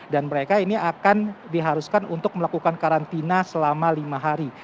dan mereka ini akan diharuskan untuk melakukan karantina selama lima hari